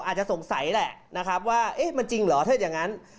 อาจจะสงสัยแหละนะครับว่าเอ๊ะมันจริงเหรอถ้าอย่างนั้น